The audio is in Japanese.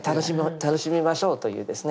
楽しみましょうというですね